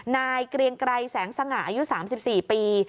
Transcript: นายเกรียงไกรแสงสง่าอายุ๓๔ปี